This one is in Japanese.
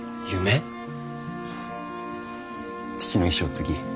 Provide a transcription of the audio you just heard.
父の遺志を継ぎ